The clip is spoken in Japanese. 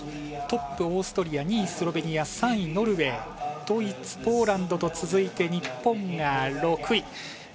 トップ、オーストリア２位、スロベニア３位、ノルウェードイツ、ポーランドと続いて日本が６位。